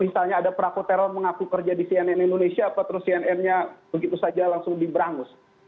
misalnya ada praku teror mengaku kerja di cnn indonesia terus cnnnya begitu saja langsung diberangus